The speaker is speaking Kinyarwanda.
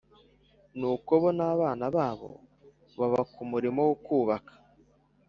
Nuko bo n abana babo baba ku murimo wo kubaka